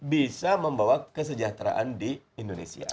bisa membawa kesejahteraan di indonesia